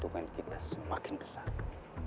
rupanya built learning